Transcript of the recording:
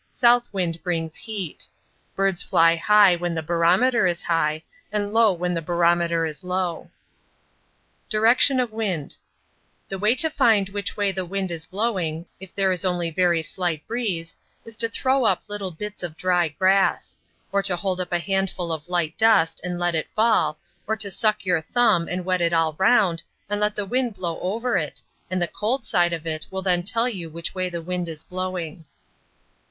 South wind brings heat. Birds fly high when the barometer is high, and low when the barometer is low. Direction of Wind The way to find which way the wind is blowing, if there is only very light breeze, is to throw up little bits of dry grass; or to hold up a handful of light dust and let it fall, or to suck your thumb and wet it all round and let the wind blow over it, and the cold side of it will then tell you which way the wind is blowing.